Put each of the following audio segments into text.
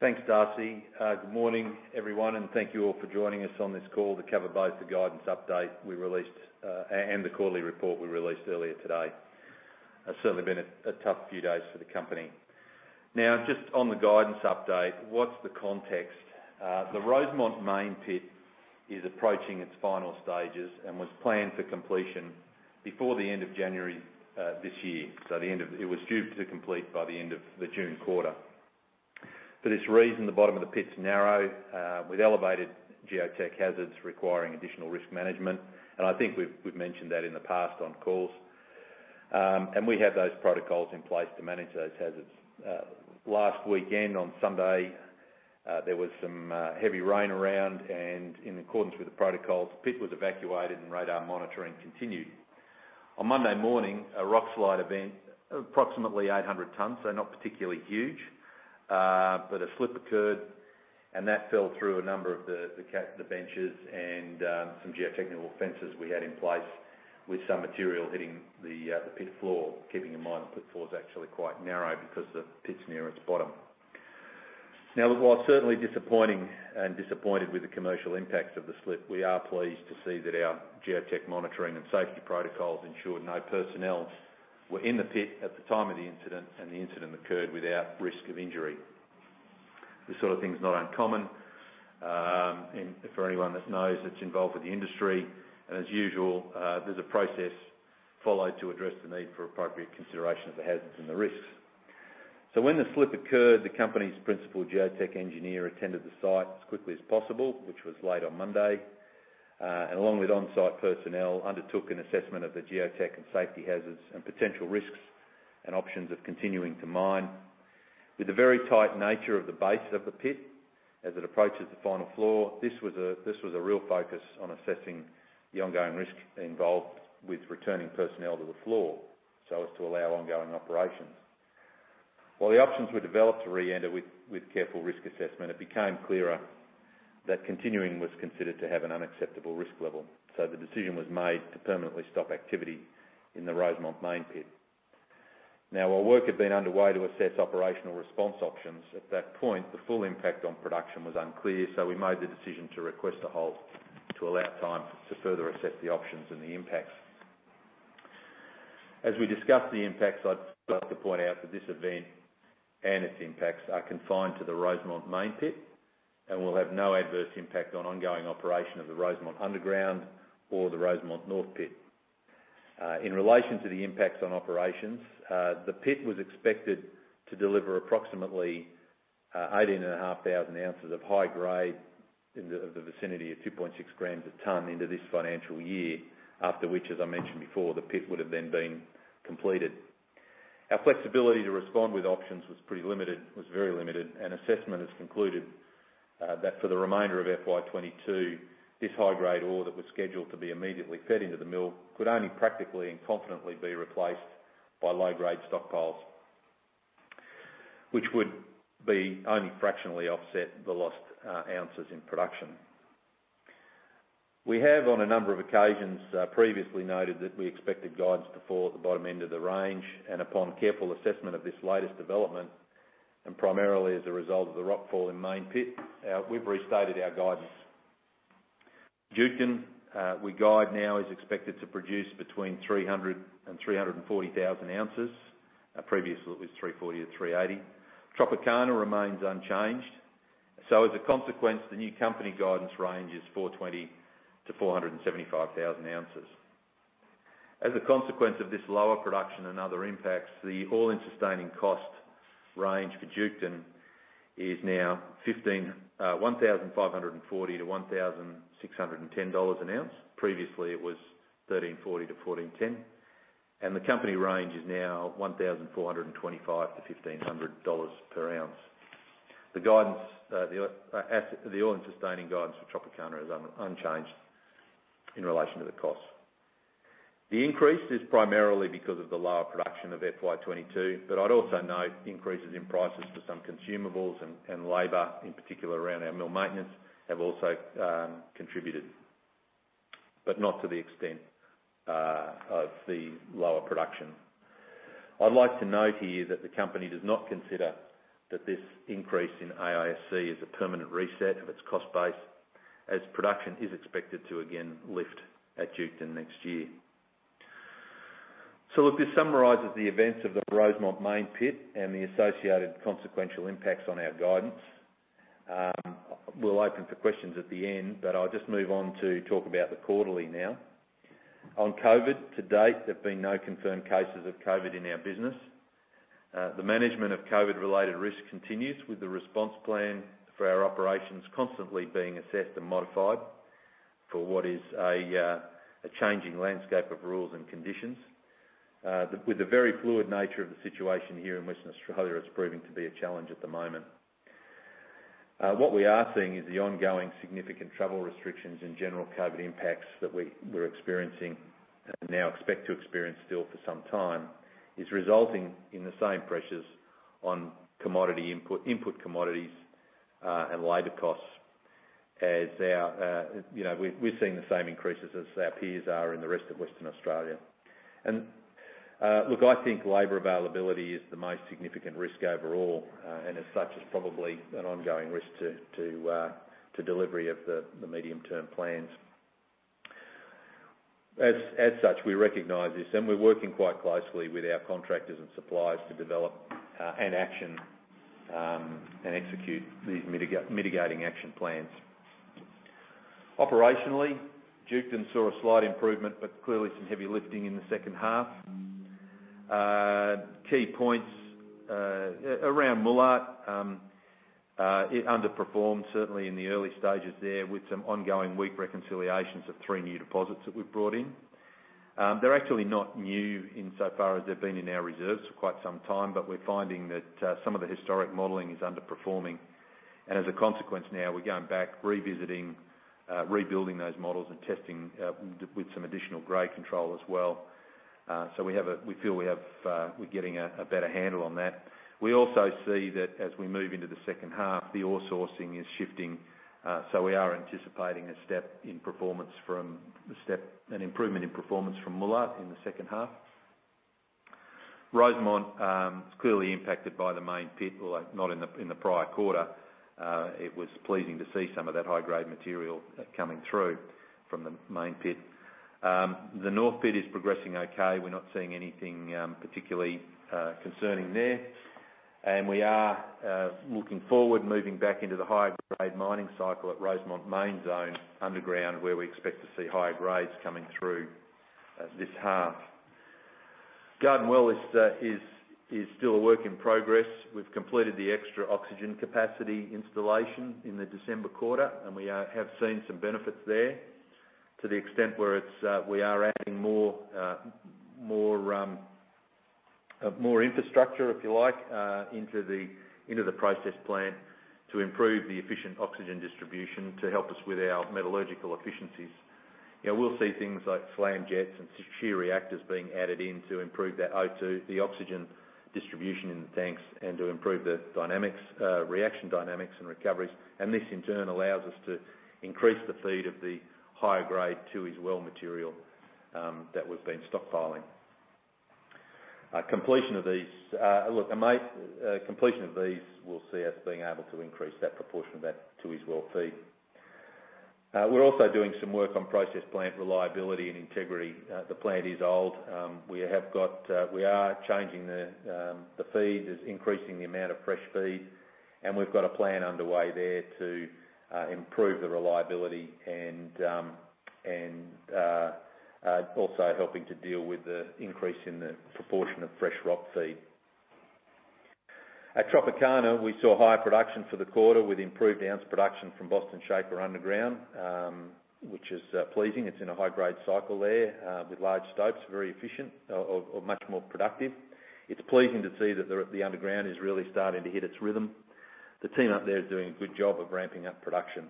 Thanks, Darcy. Good morning, everyone, and thank you all for joining us on this call to cover both the guidance update we released and the quarterly report we released earlier today. It's certainly been a tough few days for the company. Now, just on the guidance update, what's the context? The Rosemont main pit is approaching its final stages and was planned for completion before the end of January this year. It was due to complete by the end of the June quarter. For this reason, the bottom of the pit's narrow with elevated geotech hazards requiring additional risk management. I think we've mentioned that in the past on calls. We have those protocols in place to manage those hazards. Last weekend on Sunday, there was some heavy rain around and in accordance with the protocols, pit was evacuated and radar monitoring continued. On Monday morning, a rock slide event, approximately 800 tons, so not particularly huge, but a slip occurred and that fell through a number of the benches and some geotechnical fences we had in place with some material hitting the pit floor, keeping in mind the pit floor is actually quite narrow because the pit's near its bottom. Now, while certainly disappointing and disappointed with the commercial impacts of the slip, we are pleased to see that our geotech monitoring and safety protocols ensured no personnel were in the pit at the time of the incident, and the incident occurred without risk of injury. This sort of thing is not uncommon, and for anyone that knows that's involved with the industry, and as usual, there's a process followed to address the need for appropriate consideration of the hazards and the risks. When the slip occurred, the company's principal geotech engineer attended the site as quickly as possible, which was late on Monday, and along with on-site personnel, undertook an assessment of the geotech and safety hazards and potential risks and options of continuing to mine. With the very tight nature of the base of the pit as it approaches the final floor, this was a real focus on assessing the ongoing risk involved with returning personnel to the floor so as to allow ongoing operations. While the options were developed to re-enter with careful risk assessment, it became clearer that continuing was considered to have an unacceptable risk level. The decision was made to permanently stop activity in the Rosemont main pit. Now, while work had been underway to assess operational response options, at that point, the full impact on production was unclear, so we made the decision to request a halt to allow time to further assess the options and the impacts. As we discuss the impacts, I'd like to point out that this event and its impacts are confined to the Rosemont main pit and will have no adverse impact on ongoing operation of the Rosemont underground or the Rosemont North pit. In relation to the impacts on operations, the pit was expected to deliver approximately 18,500 ounces of high grade in the vicinity of 2.6 g a ton into this financial year, after which, as I mentioned before, the pit would have then been completed. Our flexibility to respond with options was very limited. An assessment has concluded that for the remainder of FY 2022, this high-grade ore that was scheduled to be immediately fed into the mill could only practically and confidently be replaced by low-grade stockpiles, which would only fractionally offset the lost ounces in production. We have, on a number of occasions, previously noted that we expected guidance to fall at the bottom end of the range, and upon careful assessment of this latest development, and primarily as a result of the rock fall in main pit, we've restated our guidance. Duketon, we guide now is expected to produce between 300-340,000 ounces. Previously it was 340-380. Tropicana remains unchanged. As a consequence, the new company guidance range is 420-475,000 ounces. As a consequence of this lower production and other impacts, the all-in sustaining cost range for Duketon is now $1,540-$1,610 an ounce. Previously, it was $1,340-$1,410. The company range is now $1,425-$1,500 per ounce. The guidance, the all-in sustaining guidance for Tropicana is unchanged in relation to the cost. The increase is primarily because of the lower production of FY 2022, but I'd also note increases in prices for some consumables and labor, in particular around our mill maintenance, have also contributed, but not to the extent of the lower production. I'd like to note here that the company does not consider that this increase in AISC is a permanent reset of its cost base, as production is expected to again lift at Duketon next year. Look, this summarizes the events of the Rosemont main pit and the associated consequential impacts on our guidance. We'll open for questions at the end, but I'll just move on to talk about the quarterly now. On COVID, to date, there have been no confirmed cases of COVID in our business. The management of COVID-related risk continues, with the response plan for our operations constantly being assessed and modified for what is a changing landscape of rules and conditions. With the very fluid nature of the situation here in Western Australia, it's proving to be a challenge at the moment. What we are seeing is the ongoing significant travel restrictions and general COVID impacts that we're experiencing, and now expect to experience still for some time, is resulting in the same pressures on commodity input commodities, and labor costs. As our, you know, we're seeing the same increases as our peers are in the rest of Western Australia. Look, I think labor availability is the most significant risk overall, and as such is probably an ongoing risk to delivery of the medium-term plans. As such, we recognize this, and we're working quite closely with our contractors and suppliers to develop and action and execute these mitigating action plans. Operationally, Duketon saw a slight improvement, but clearly some heavy lifting in the second half. Key points around Moolart, it underperformed certainly in the early stages there with some ongoing weak reconciliations of three new deposits that we've brought in. They're actually not new insofar as they've been in our reserves for quite some time, but we're finding that some of the historic modeling is underperforming. As a consequence now, we're going back, revisiting, rebuilding those models and testing with some additional grade control as well. We feel we have a better handle on that. We also see that as we move into the second half, the ore sourcing is shifting, so we are anticipating an improvement in performance from Moolart in the second half. Rosemont is clearly impacted by the main pit, although not in the prior quarter. It was pleasing to see some of that high-grade material coming through from the main pit. The north pit is progressing okay. We're not seeing anything particularly concerning there. We are looking forward, moving back into the high-grade mining cycle at Rosemont main zone underground, where we expect to see higher grades coming through this half. Garden Well is still a work in progress. We've completed the extra oxygen capacity installation in the December quarter, and we have seen some benefits there to the extent where we are adding more infrastructure, if you like, into the process plant to improve the efficient oxygen distribution to help us with our metallurgical efficiencies. You know, we'll see things like SlamJet spargers and shear reactors being added in to improve that O2, the oxygen distribution in the tanks, and to improve the dynamics, reaction dynamics and recoveries. This in turn allows us to increase the feed of the higher grade Tooheys Well material that we've been stockpiling. Completion of these will see us being able to increase that proportion of that Tooheys Well feed. We're also doing some work on process plant reliability and integrity. The plant is old. We have got, we are changing the feed is increasing the amount of fresh feed, and we've got a plan underway there to improve the reliability and also helping to deal with the increase in the proportion of fresh rock feed. At Tropicana, we saw higher production for the quarter with improved ounce production from Boston Shaker underground, which is pleasing. It's in a high-grade cycle there with large stopes, very efficient or much more productive. It's pleasing to see that the underground is really starting to hit its rhythm. The team up there is doing a good job of ramping up production.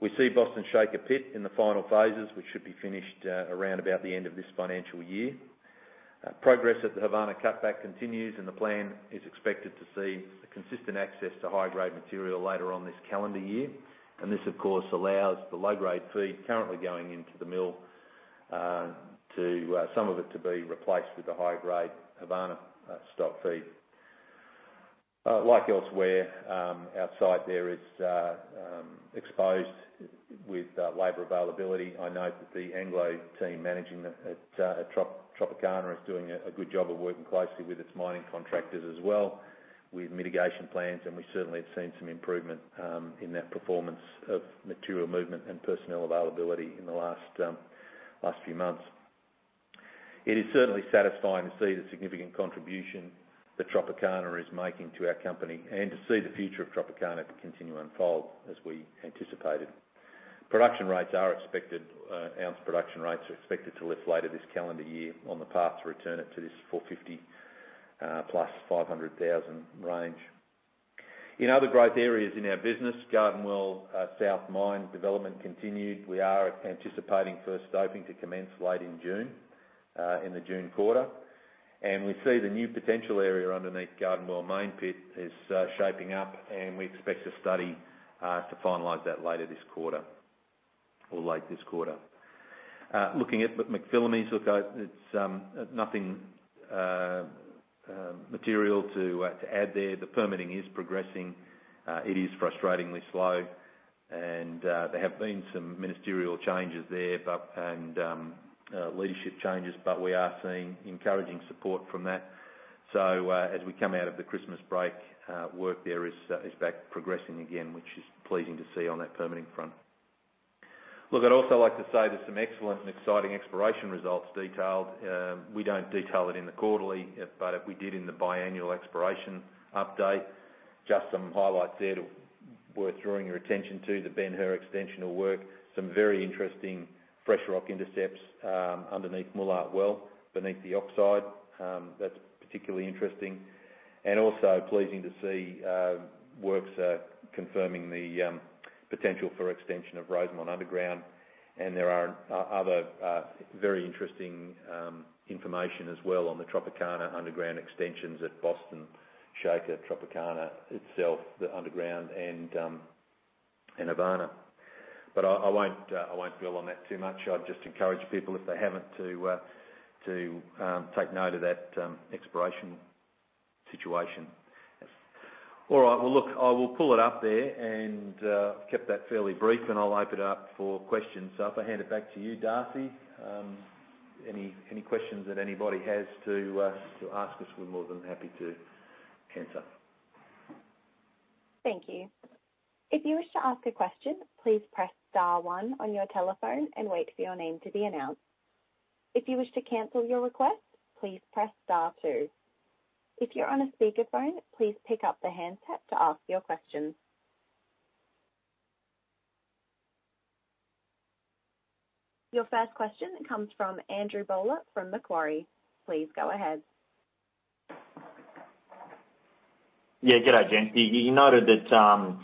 We see Boston Shaker pit in the final phases, which should be finished around about the end of this financial year. Progress at the Havana cutback continues, and the plan is expected to see a consistent access to high-grade material later on this calendar year. This, of course, allows the low-grade feed currently going into the mill, some of it to be replaced with the high-grade Havana stock feed. Like elsewhere, our site there is exposed to labor availability. I note that the Anglo team managing the Tropicana is doing a good job of working closely with its mining contractors as well as with mitigation plans, and we certainly have seen some improvement in that performance of material movement and personnel availability in the last few months. It is certainly satisfying to see the significant contribution that Tropicana is making to our company and to see the future of Tropicana continue to unfold as we anticipated. Production rates are expected, ounce production rates are expected to lift later this calendar year on the path to return it to this 450,000+ to 500,000 range. In other growth areas in our business, Garden Well South Mine development continued. We are anticipating first stoping to commence late in June in the June quarter. We see the new potential area underneath Garden Well main pit is shaping up and we expect a study to finalize that later this quarter or late this quarter. Looking at McPhillamys, it's nothing material to add there. The permitting is progressing. It is frustratingly slow. There have been some ministerial changes there but leadership changes, but we are seeing encouraging support from that. As we come out of the Christmas break, work there is progressing again, which is pleasing to see on that permitting front. Look, I'd also like to say there's some excellent and exciting exploration results detailed. We don't detail it in the quarterly, but we did in the biannual exploration update. Just some highlights there worth drawing your attention to, the Ben Hur extensional work, some very interesting fresh rock intercepts, underneath Moolart Well, beneath the oxide. That's particularly interesting. Also pleasing to see, works confirming the potential for extension of Rosemont underground. There are another very interesting information as well on the Tropicana underground extensions at Boston Shaker, Tropicana itself, the underground and in Havana. I won't build on that too much. I'd just encourage people, if they haven't, to take note of that exploration situation. All right. Well, look, I will pull it up there, and kept that fairly brief, and I'll open it up for questions. If I hand it back to you, Darcy, any questions that anybody has to ask us, we're more than happy to answer. Thank you. If you wish to ask a question, please press star one on your telephone and wait for your name to be announced. If you wish to cancel your request, please press star two. If you're on a speakerphone, please pick up the handset to ask your question. Your first question comes from Andrew Bowler from Macquarie. Please go ahead. Yeah. Good day, James. You noted that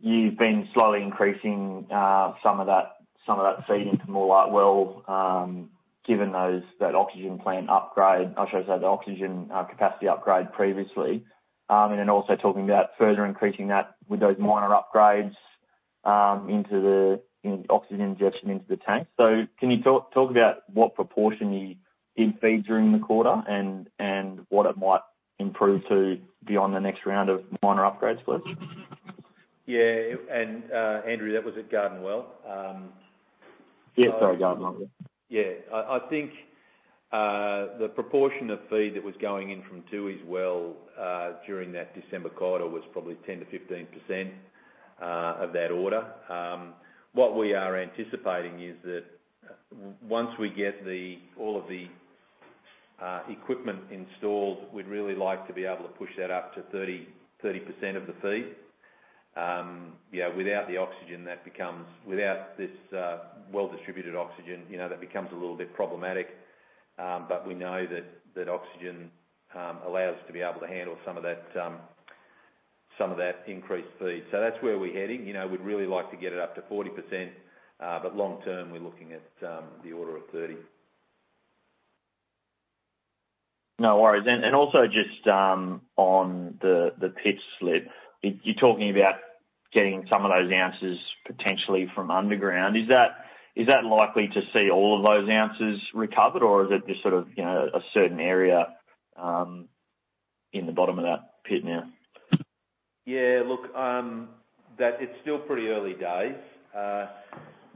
you've been slowly increasing some of that feed into Moolart Well given that oxygen plant upgrade. I'll try to say the oxygen capacity upgrade previously. Then also talking about further increasing that with those minor upgrades to the oxygen injection into the tank. Can you talk about what proportion you did feed during the quarter and what it might improve to beyond the next round of minor upgrades please? Yeah, Andrew, that was at Garden Well? Yeah, sorry. Garden Well. I think the proportion of feed that was going in from Tooheys Well during that December quarter was probably 10%-15% of that order. What we are anticipating is that once we get all of the equipment installed, we'd really like to be able to push that up to 30% of the feed. Without this well-distributed oxygen, you know, that becomes a little bit problematic. We know that oxygen allows to be able to handle some of that increased feed. That's where we're heading. You know, we'd really like to get it up to 40%. Long term, we're looking at the order of 30%. No worries. Also just on the pit slip, you're talking about getting some of those ounces potentially from underground. Is that likely to see all of those ounces recovered or is it just sort of, you know, a certain area in the bottom of that pit now? Yeah. Look, that it's still pretty early days.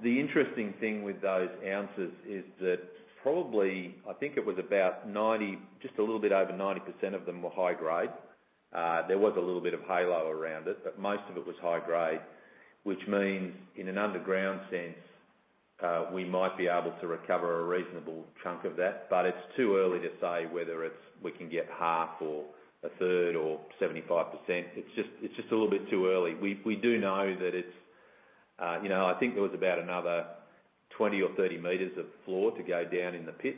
The interesting thing with those ounces is that probably, I think it was about 90%, just a little bit over 90% of them were high grade. There was a little bit of halo around it, but most of it was high grade, which means in an underground sense, we might be able to recover a reasonable chunk of that. But it's too early to say whether it's we can get half or a third or 75%. It's just a little bit too early. We do know that it's, you know, I think there was about another 20 or 30 m of floor to go down in the pit,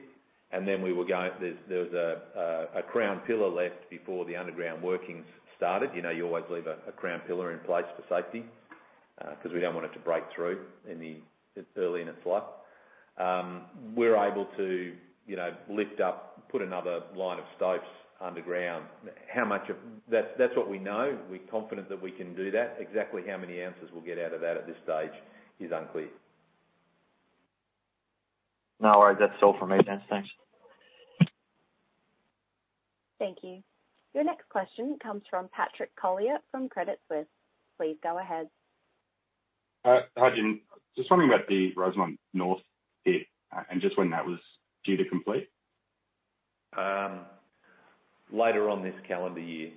and then we were going. There was a crown pillar left before the underground workings started. You know, you always leave a crown pillar in place for safety, 'cause we don't want it to break through early in its life. We're able to, you know, lift up, put another line of stopes underground. That's what we know. We're confident that we can do that. Exactly how many ounces we'll get out of that at this stage is unclear. No worries. That's all from me, James. Thanks. Thank you. Your next question comes from Patrick Collier from Credit Suisse. Please go ahead. Hi. Hi, James. Just wondering about the Rosemont North pit, and just when that was due to complete? Later on this calendar year.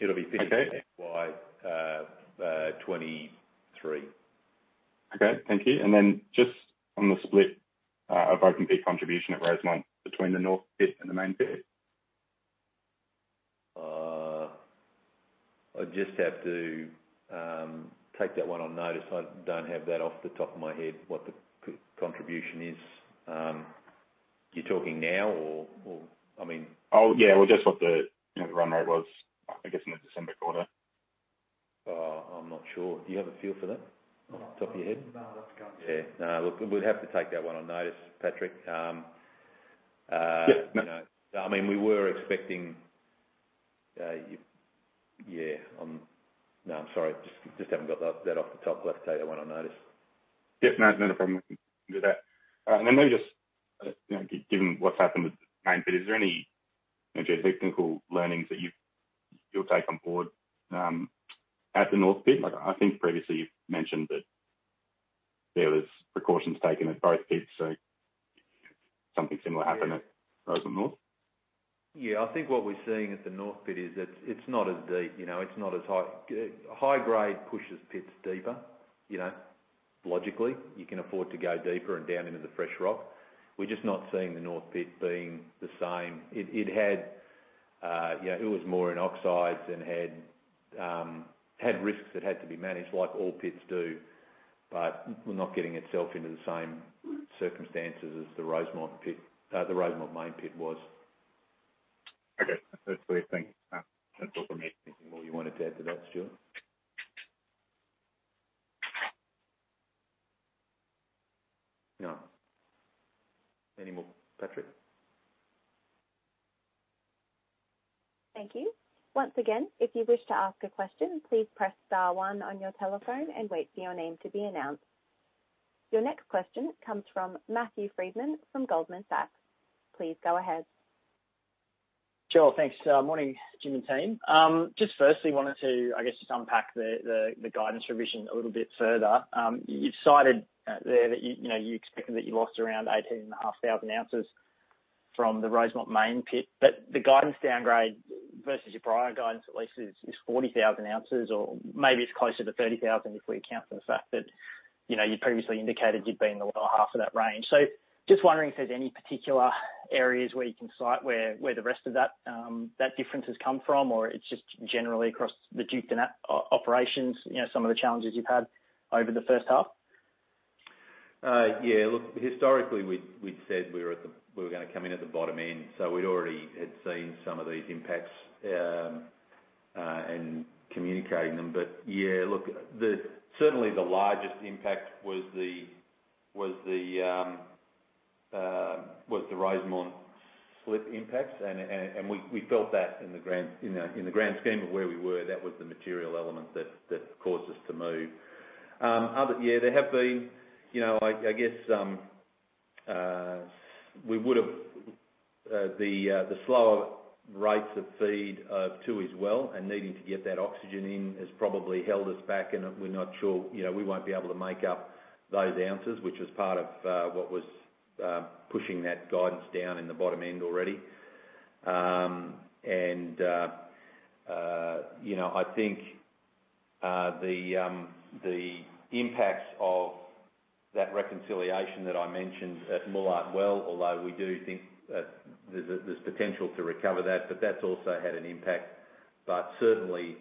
It'll be finished. Okay. FY 2023. Okay, thank you. Just on the split of open pit contribution at Rosemont between the north pit and the main pit. I just have to take that one on notice. I don't have that off the top of my head what the contribution is. You're talking now or, I mean- Oh, yeah, well, just what the, you know, run rate was, I guess, in the December quarter. I'm not sure. Do you have a feel for that off the top of your head? No, that's gone. Yeah. No, look, we'd have to take that one on notice, Patrick. Yeah. You know, I mean, we were expecting, no, I'm sorry. Just haven't got that off the top. We'll have to take that one on notice. Yeah. No, not a problem. Do that. All right. Then maybe just, you know, given what's happened with the main pit, is there any geotechnical learnings that you'll take on board at the north pit? Like, I think previously you've mentioned that there was precautions taken at both pits, so something similar happened at Rosemont North. Yeah, I think what we're seeing at the North Pit is it's not as deep, you know, it's not as high. High grade pushes pits deeper. You know, logically, you can afford to go deeper and down into the fresh rock. We're just not seeing the North Pit being the same. It had, you know, it was more in oxides and had risks that had to be managed like all pits do. But we're not getting itself into the same circumstances as the Rosemont Pit, the Rosemont Main Pit was. Okay. That's great. Thank you. That's all for me. Anything more you wanted to add to that, Stuart? No. Any more, Patrick? Thank you. Once again, if you wish to ask a question, please press star one on your telephone and wait for your name to be announced. Your next question comes from Matthew Frydman from Goldman Sachs. Please go ahead. Sure. Thanks. Morning, Jim and team. Just firstly wanted to, I guess, just unpack the guidance revision a little bit further. You've cited there that you know you expected that you lost around 18,500 ounces from the Rosemont main pit. The guidance downgrade versus your prior guidance at least is 40,000 ounces or maybe it's closer to 30,000 if we account for the fact that you know you previously indicated you'd be in the lower half of that range. Just wondering if there's any particular areas where you can cite where the rest of that difference has come from, or it's just generally across the Duketon and that operations, you know, some of the challenges you've had over the first half. Yeah. Look, historically, we'd said we were gonna come in at the bottom end, so we'd already had seen some of these impacts and communicating them. Yeah, look, certainly the largest impact was the Rosemont slip impacts. We felt that in the grand scheme of where we were, that was the material element that caused us to move. Other... There have been, you know, I guess, the slower rates of feed too as well, and needing to get that oxygen in has probably held us back and, we're not sure, you know, we won't be able to make up those ounces, which was part of what was pushing that guidance down in the bottom end already. You know, I think, the impacts of that reconciliation that I mentioned at Moolart Well, although we do think that there's potential to recover that, but that's also had an impact. Certainly,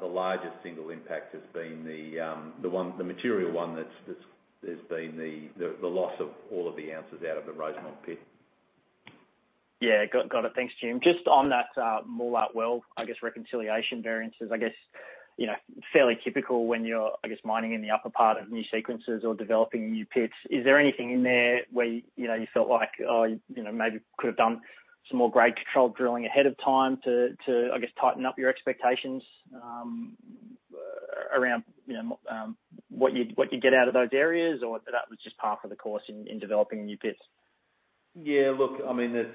the largest single impact has been the material one that's been the loss of all of the ounces out of the Rosemont pit. Yeah. Got it. Thanks, Jim. Just on that, Moolart Well, I guess, reconciliation variances. I guess, you know, fairly typical when you're, I guess, mining in the upper part of new sequences or developing new pits. Is there anything in there where you know you felt like, oh, you know, maybe could have done some more grade control drilling ahead of time to I guess, tighten up your expectations around, you know, what you'd get out of those areas, or that was just par for the course in developing new pits? Yeah. Look, I mean, it's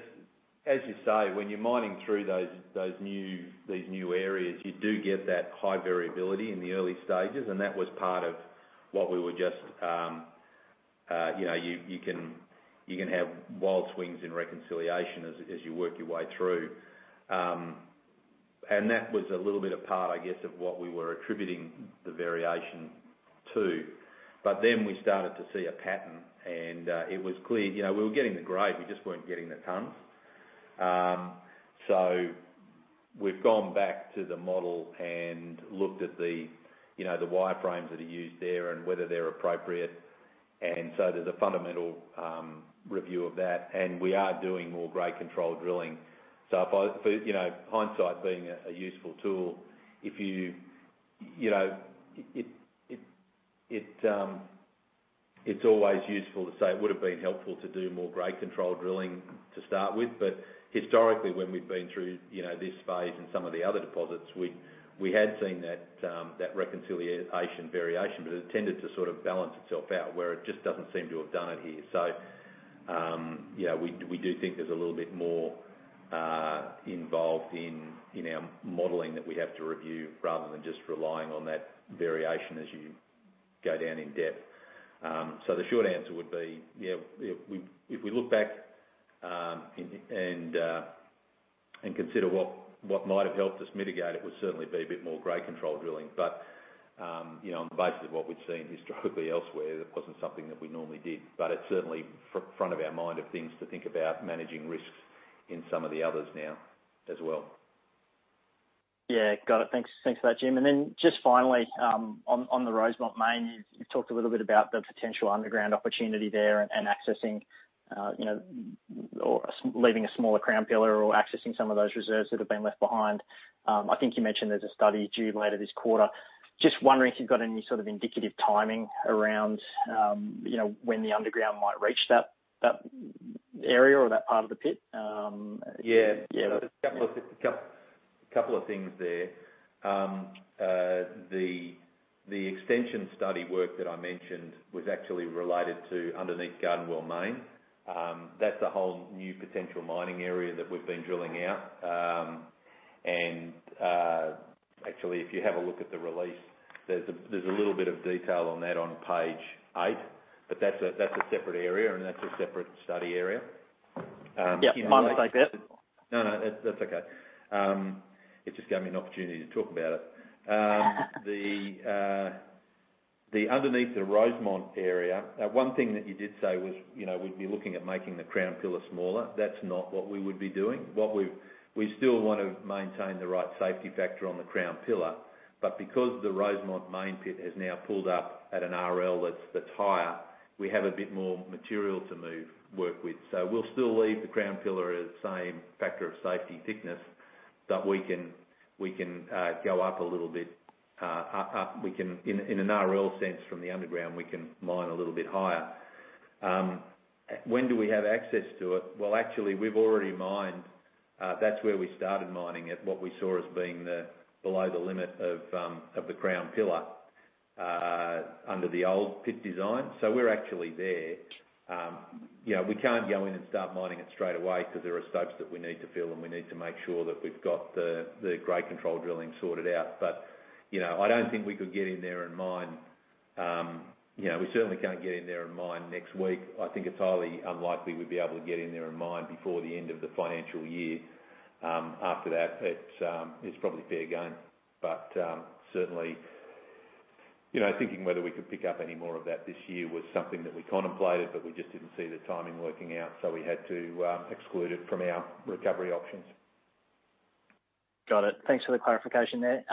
as you say, when you're mining through these new areas, you do get that high variability in the early stages, and that was part of what we were just you know you can have wild swings in reconciliation as you work your way through. That was a little bit a part, I guess, of what we were attributing the variation to. Then we started to see a pattern, and it was clear. You know, we were getting the grade, we just weren't getting the tons. So we've gone back to the model and looked at the you know the wireframes that are used there and whether they're appropriate. There's a fundamental review of that, and we are doing more grade control drilling. Hindsight being a useful tool, it's always useful to say it would've been helpful to do more grade control drilling to start with. Historically, when we've been through, you know, this phase in some of the other deposits, we had seen that reconciliation variation, but it tended to sort of balance itself out where it just doesn't seem to have done it here. You know, we do think there's a little bit more involved in our modeling that we have to review, rather than just relying on that variation as you go down in depth. The short answer would be, yeah, if we look back and consider what might have helped us mitigate, it would certainly be a bit more grade control drilling. But you know, on the basis of what we've seen historically elsewhere, that wasn't something that we normally did. But it's certainly front of our mind of things to think about managing risks in some of the others now as well. Yeah. Got it. Thanks. Thanks for that, Jim. Then just finally, on the Rosemont mine, you've talked a little bit about the potential underground opportunity there and accessing or leaving a smaller crown pillar or accessing some of those reserves that have been left behind. I think you mentioned there's a study due later this quarter. Just wondering if you've got any sort of indicative timing around when the underground might reach that area or that part of the pit. Yeah. Yeah. There's a couple of things there. The extension study work that I mentioned was actually related to underneath Garden Well mine. That's a whole new potential mining area that we've been drilling out. Actually, if you have a look at the release, there's a little bit of detail on that on page 8. That's a separate area, and that's a separate study area. Yeah. Mine's stayed there. No. That's okay. It just gave me an opportunity to talk about it. The underneath the Rosemont area. One thing that you did say was, you know, we'd be looking at making the crown pillar smaller. That's not what we would be doing. We still want to maintain the right safety factor on the crown pillar. Because the Rosemont main pit has now pulled up at an RL that's higher, we have a bit more material to move, work with. We'll still leave the crown pillar at the same factor of safety thickness, but we can go up a little bit, up. We can, in an RL sense from the underground, we can mine a little bit higher. When do we have access to it? Well, actually, we've already mined. That's where we started mining at what we saw as being below the limit of the crown pillar under the old pit design. We're actually there. You know, we can't go in and start mining it straight away because there are stops that we need to fill, and we need to make sure that we've got the grade control drilling sorted out. You know, I don't think we could get in there and mine. You know, we certainly can't get in there and mine next week. I think it's highly unlikely we'd be able to get in there and mine before the end of the financial year. After that, it's probably fair game. Certainly, you know, thinking whether we could pick up any more of that this year was something that we contemplated, but we just didn't see the timing working out, so we had to exclude it from our recovery options. Got it. Thanks for the clarification there.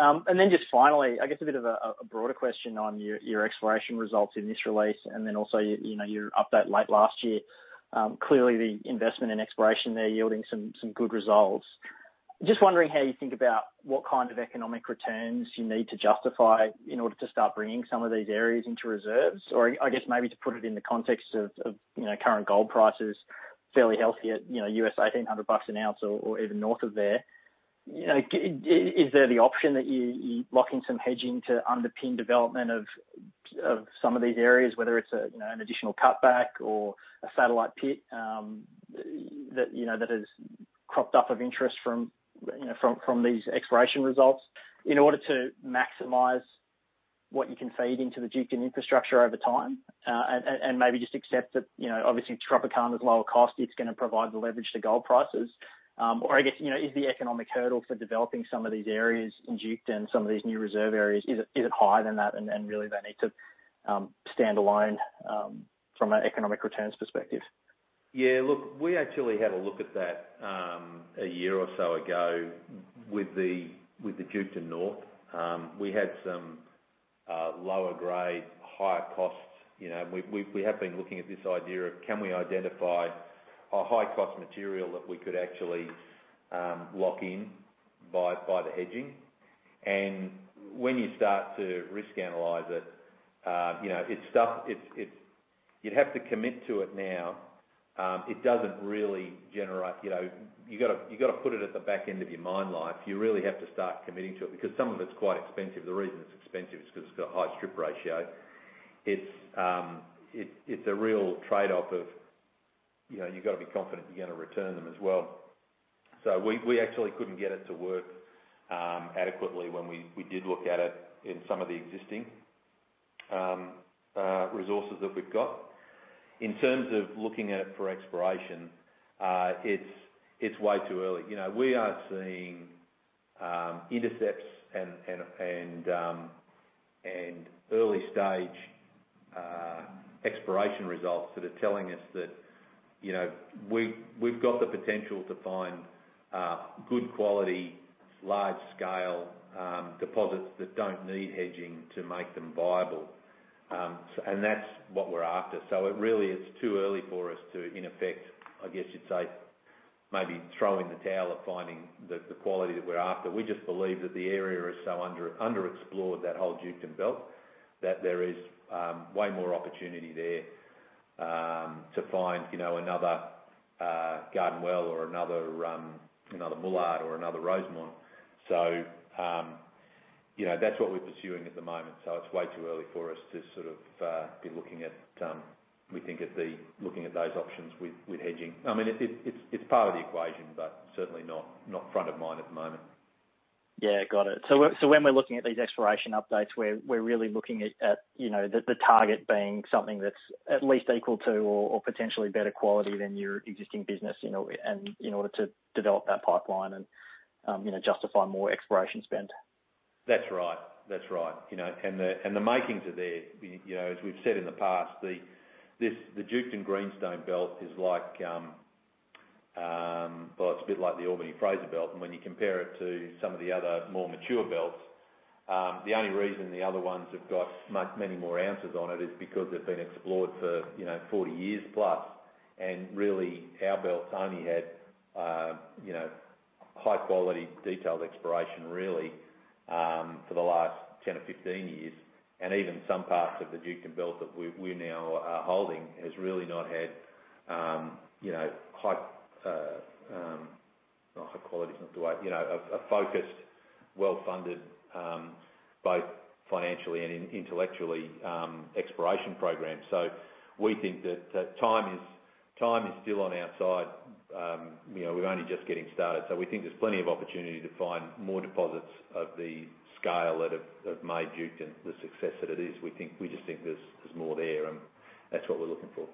Just finally, I guess a bit of a broader question on your exploration results in this release, and then also your, you know, your update late last year. Clearly the investment in exploration there yielding some good results. Just wondering how you think about what kind of economic returns you need to justify in order to start bringing some of these areas into reserves? Or I guess maybe to put it in the context of you know, current gold prices, fairly healthy at, you know, $1,800 an ounce or even north of there. You know, is there the option that you're locking some hedging to underpin development of some of these areas, whether it's a, you know, an additional cutback or a satellite pit, that has cropped up of interest from these exploration results in order to maximize what you can feed into the Duketon infrastructure over time? Maybe just accept that, you know, obviously Tropicana is lower cost, it's gonna provide the leverage to gold prices. I guess, you know, is the economic hurdle for developing some of these areas in Duketon and some of these new reserve areas, is it higher than that and really they need to stand alone from an economic returns perspective? Yeah. Look, we actually had a look at that, a year or so ago with the Duketon North. We had some lower grade, higher costs. You know, we have been looking at this idea of can we identify a high-cost material that we could actually lock in by the hedging. When you start to risk analyze it, you know, you'd have to commit to it now. It doesn't really generate, you know, you gotta put it at the back end of your mine life. You really have to start committing to it because some of it is quite expensive. The reason it's expensive is 'cause it's got a high strip ratio. It's a real trade-off, you know, you've got to be confident you're gonna return them as well. We actually couldn't get it to work adequately when we did look at it in some of the existing resources that we've got. In terms of looking at it for exploration, it's way too early. You know, we are seeing intercepts and early stage exploration results that are telling us that, you know, we've got the potential to find good quality, large scale deposits that don't need hedging to make them viable. And that's what we're after. It really is too early for us to, in effect, I guess you'd say, maybe throw in the towel at finding the quality that we're after. We just believe that the area is so underexplored, that whole Duketon Belt, that there is way more opportunity there to find, you know, another Garden Well or another Moolart or another Rosemont. You know, that's what we're pursuing at the moment, so it's way too early for us to sort of be looking at those options with hedging. I mean, it's part of the equation, but certainly not front of mind at the moment. Yeah. Got it. When we're looking at these exploration updates, we're really looking at the target being something that's at least equal to or potentially better quality than your existing business, you know, and in order to develop that pipeline and, you know, justify more exploration spend. That's right. You know, the makings are there. You know, as we've said in the past, this, the Duketon Greenstone Belt is like, well, it's a bit like the Albany-Fraser Belt. When you compare it to some of the other more mature belts, the only reason the other ones have got many more ounces on it is because they've been explored for, you know, 40+ years. Really, our belts only had, you know, high quality detailed exploration really, for the last 10 to 15 years. Even some parts of the Duketon Belt that we now are holding has really not had, you know, high quality is not the way, you know, a focused, well-funded, both financially and intellectually, exploration program. We think that time is still on our side. You know, we're only just getting started. We think there's plenty of opportunity to find more deposits of the scale that have made Duketon the success that it is. We just think there's more there, and that's what we're looking for.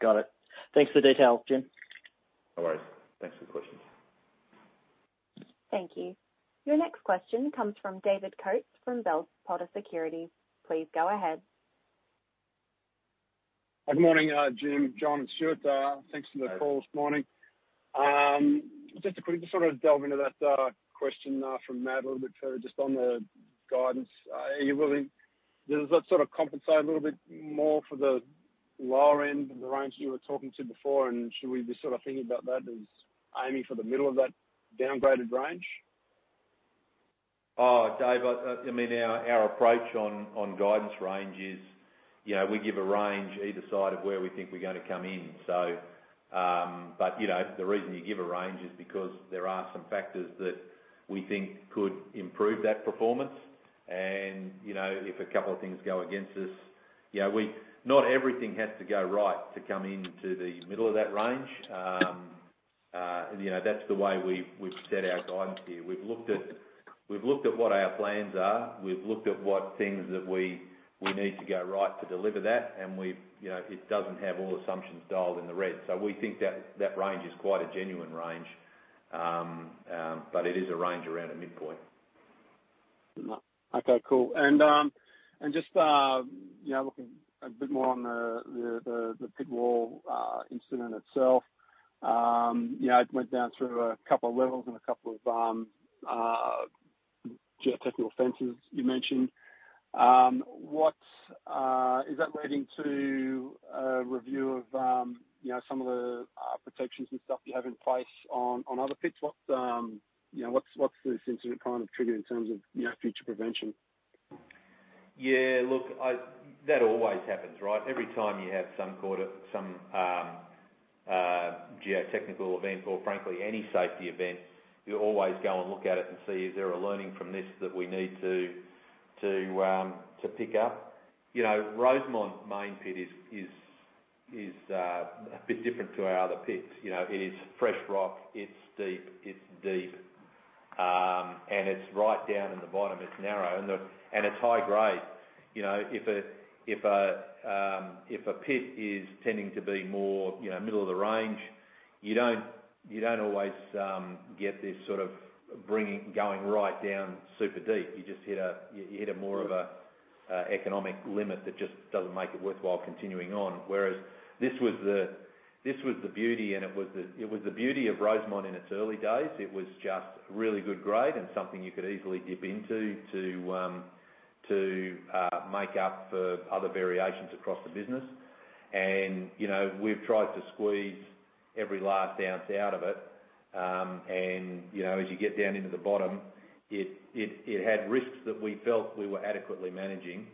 Got it. Thanks for the detail, Jim. No worries. Thanks for the questions. Thank you. Your next question comes from David Coates from Bell Potter Securities. Please go ahead. Good morning, Jim, Jon, and Stuart. Thanks for the call this morning. Just a quick delve into that question from Matt a little bit further, just on the guidance. Does that sort of compensate a little bit more for the lower end of the range that you were talking about before? Should we be sort of thinking about that as aiming for the middle of that downgraded range? Dave, I mean, our approach on guidance range is, you know, we give a range either side of where we think we're gonna come in. But, you know, the reason you give a range is because there are some factors that we think could improve that performance. You know, if a couple of things go against us, you know, not everything has to go right to come into the middle of that range. You know, that's the way we've set our guidance here. We've looked at what our plans are, what things that we need to go right to deliver that, and, you know, it doesn't have all assumptions dialed in the red. We think that range is quite a genuine range. It is a range around a midpoint. Okay, cool. Just, you know, looking a bit more on the pit wall incident itself. You know, it went down through a couple of levels and a couple of geotechnical fences you mentioned. What is that leading to a review of, you know, some of the protections and stuff you have in place on other pits? What's this incident trying to trigger in terms of, you know, future prevention? Yeah, look, that always happens, right? Every time you have some geotechnical event or frankly any safety event, you always go and look at it and see is there a learning from this that we need to pick up. You know, Rosemont main pit is a bit different to our other pits. You know, it is fresh rock, it's steep, it's deep, and it's right down in the bottom, it's narrow, and it's high grade. You know, if a pit is tending to be more, you know, middle of the range, you don't always get this sort of bringing going right down super deep. You just hit a more of a economic limit that just doesn't make it worthwhile continuing on. This was the beauty of Rosemont in its early days. It was just really good grade and something you could easily dip into to make up for other variations across the business. You know, we've tried to squeeze every last ounce out of it. You know, as you get down into the bottom, it had risks that we felt we were adequately managing.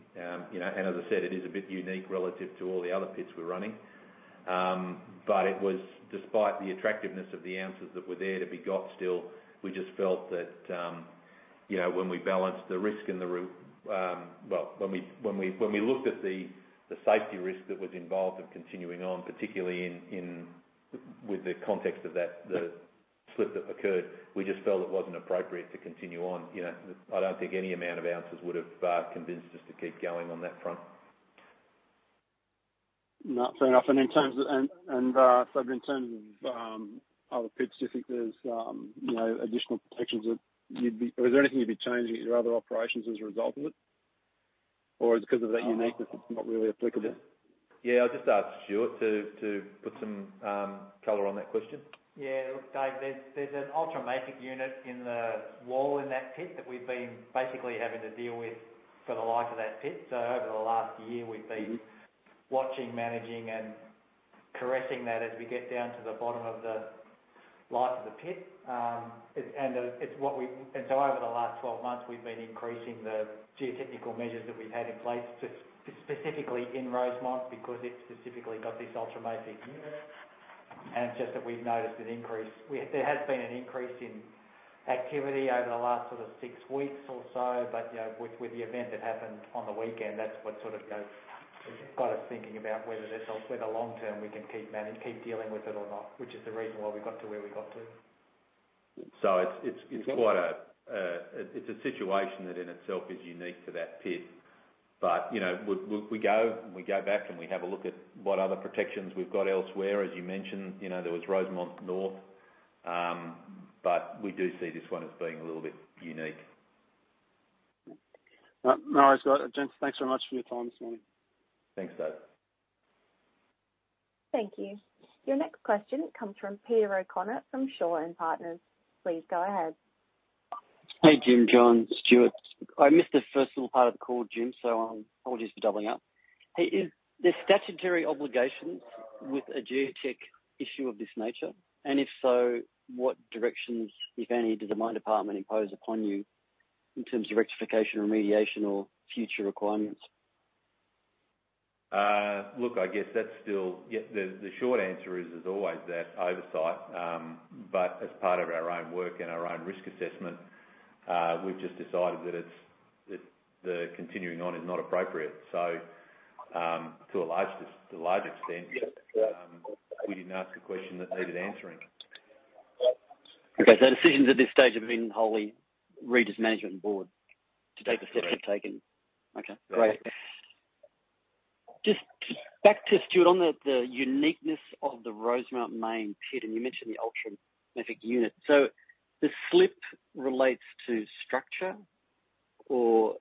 You know, as I said, it is a bit unique relative to all the other pits we're running. It was despite the attractiveness of the ounces that were there to be got still, we just felt that, you know, when we balanced the risk and well, when we looked at the safety risk that was involved in continuing on, particularly in with the context of that, the slip that occurred, we just felt it wasn't appropriate to continue on. You know, I don't think any amount of ounces would have convinced us to keep going on that front. No, fair enough. So in terms of, you know, additional protections, is there anything you'd be changing at your other operations as a result of it? Or is it 'cause of that uniqueness, it's not really applicable? Yeah. I'll just ask Stuart to put some color on that question. Yeah. Look, Dave, there's an ultramafic unit in the wall in that pit that we've been basically having to deal with for the life of that pit. Over the last year we've been Watching, managing, and correcting that as we get down to the bottom of the life of the pit. Over the last 12 months we've been increasing the geotechnical measures that we've had in place to specifically in Rosemont because it's specifically got this ultramafic unit. It's just that we've noticed an increase. There has been an increase in activity over the last sort of 6 weeks or so. You know, with the event that happened on the weekend, that's what got us thinking about whether long term we can keep dealing with it or not, which is the reason why we got to where we got to. It's quite a situation that in itself is unique to that pit. You know, we go back and we have a look at what other protections we've got elsewhere. As you mentioned, you know, there was Rosemont North. We do see this one as being a little bit unique. No, no, it's good. Gents, thanks very much for your time this morning. Thanks, Dave. Thank you. Your next question comes from Peter O'Connor from Shaw and Partners. Please go ahead. Hey, Jim, Jon, Stuart. I missed the first little part of the call, Jim, so apologies for doubling up. Hey, is there statutory obligations with a geotech issue of this nature? And if so, what directions, if any, did the mine department impose upon you in terms of rectification, remediation or future requirements? Look, I guess that's still. Yeah, the short answer is always that oversight. But as part of our own work and our own risk assessment, we've just decided that it's the continuing on is not appropriate. So, to a large extent. Yeah. Yeah We didn't ask a question that needed answering. Okay. Decisions at this stage have been wholly Regis management and board to take the steps you've taken. Correct. Okay, great. Just back to Stuart on the uniqueness of the Rosemont main pit, and you mentioned the ultramafic unit. The slip relates to structure or.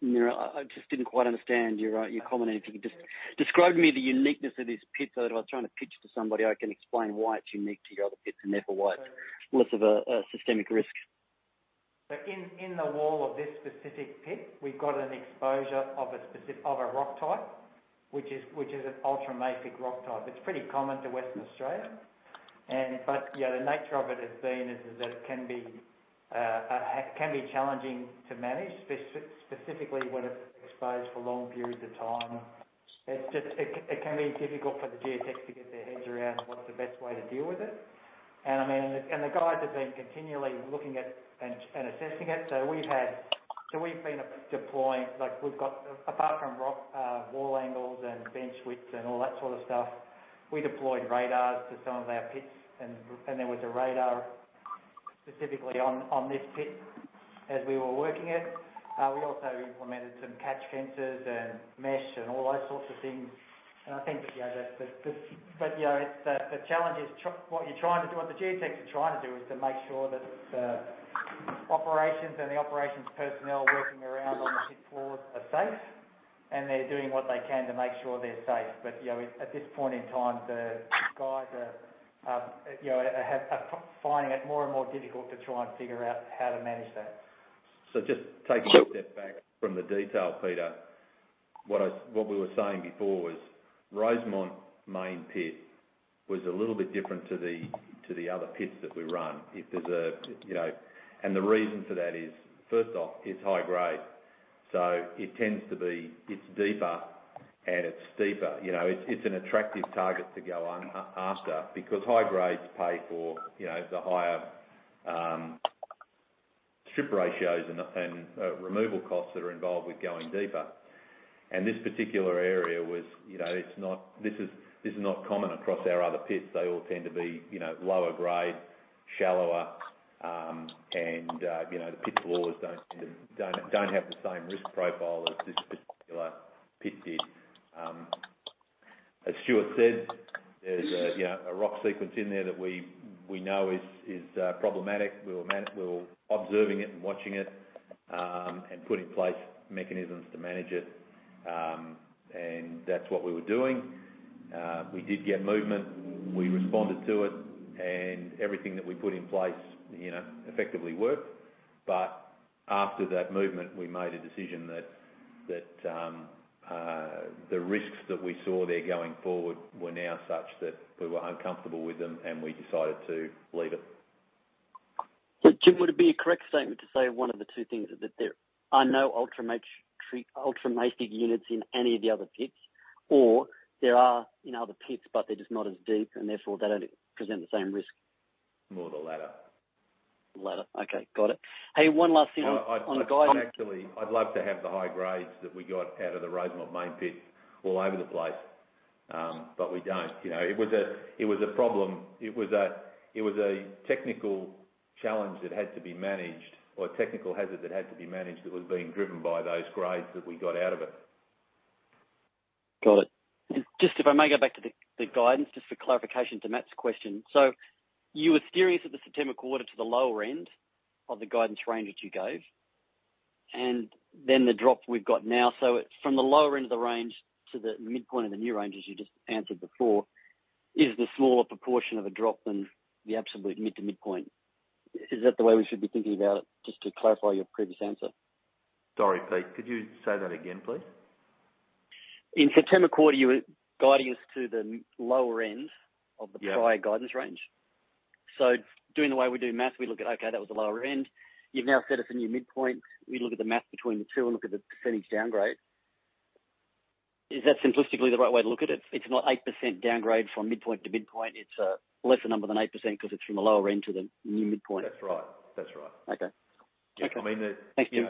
You know, I just didn't quite understand your comment. If you could just describe to me the uniqueness of this pit so that if I was trying to pitch to somebody, I can explain why it's unique to your other pits and therefore why it's less of a systemic risk. Of this specific pit, we've got an exposure of a rock type, which is an ultramafic rock type. It's pretty common to Western Australia. Yeah, the nature of it has been that it can be challenging to manage, specifically when it's exposed for long periods of time. It can be difficult for the geotechs to get their heads around what's the best way to deal with it. I mean, the guys have been continually looking at and assessing it. We've been deploying... Like, we've got, apart from rock wall angles and bench widths and all that sort of stuff, we deployed radars to some of our pits, and there was a radar specifically on this pit as we were working it. We also implemented some catch fences and mesh and all those sorts of things. I think, you know, yeah, the challenge is what the geotechs are trying to do is to make sure that the operations and the operations personnel working around on the pit floors are safe, and they're doing what they can to make sure they're safe. You know, at this point in time, the guys are, you know, finding it more and more difficult to try and figure out how to manage that. Just take a step back from the detail, Peter. What we were saying before was Rosemont main pit was a little bit different to the other pits that we run. It deserves, you know. The reason for that is, first off, it's high grade, so it tends to be. It's deeper and it's steeper. You know, it's an attractive target to go on, after because high grades pay for, you know, the higher strip ratios and removal costs that are involved with going deeper. This particular area was, you know, it's not. This is not common across our other pits. They all tend to be, you know, lower grade, shallower, and you know, the pit floors don't have the same risk profile as this particular pit did. As Stuart said, there's a, you know, a rock sequence in there that we know is problematic. We were observing it and watching it, and put in place mechanisms to manage it. That's what we were doing. We did get movement, we responded to it, and everything that we put in place, you know, effectively worked. After that movement, we made a decision that the risks that we saw there going forward were now such that we were uncomfortable with them, and we decided to leave it. Jim, would it be a correct statement to say one of the two things, that there are no ultramafic units in any of the other pits? Or there are in other pits, but they're just not as deep, and therefore they don't present the same risk? More the latter. Latter. Okay, got it. Hey, one last thing on the guide. I'd actually love to have the high grades that we got out of the Rosemont Main Pit all over the place, but we don't. You know, it was a problem. It was a technical challenge that had to be managed or a technical hazard that had to be managed that was being driven by those grades that we got out of it. Got it. Just if I may go back to the guidance, just for clarification to Matt's question. You were steering us at the September quarter to the lower end of the guidance range that you gave, and then the drop we've got now. From the lower end of the range to the midpoint of the new range, as you just answered before, is the smaller proportion of a drop than the absolute mid to midpoint. Is that the way we should be thinking about it, just to clarify your previous answer? Sorry, Pete, could you say that again, please? In September quarter, you were guiding us to the lower end of the. Yeah. Prior guidance range. Doing the way we do math, we look at, okay, that was the lower end. You've now set us a new midpoint. We look at the math between the two and look at the percentage downgrade. Is that simplistically the right way to look at it? It's not 8% downgrade from midpoint to midpoint. It's less a number than 8% because it's from a lower end to the new midpoint. That's right. That's right. Okay. Okay. I mean. Thanks, Jim.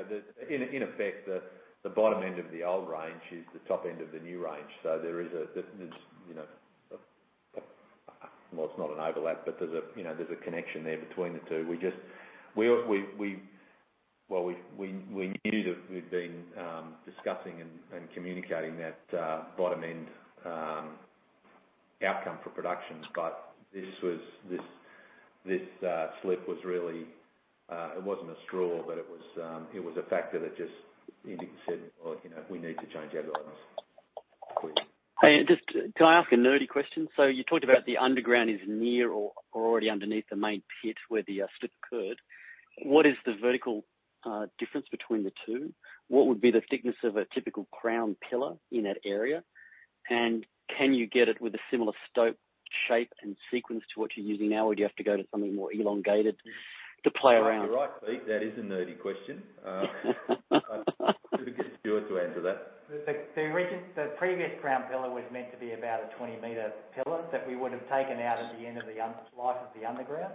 You know, in effect, the bottom end of the old range is the top end of the new range. Well, it's not an overlap, but there's a connection there between the two. We needed it. We've been discussing and communicating that bottom end outcome for production. This slip was really it wasn't a straw, but it was a factor that just indicated said, "Well, you know, we need to change our guidance quick. Just, can I ask a nerdy question? You talked about the underground is near or already underneath the main pit where the slip occurred. What is the vertical difference between the two? What would be the thickness of a typical crown pillar in that area? Can you get it with a similar stope, shape, and sequence to what you're using now, or do you have to go to something more elongated to play around? You're right, Pete. That is a nerdy question. I'll get Stuart to answer that. The previous crown pillar was meant to be about a 20 m pillar that we would have taken out at the end of the life of the underground.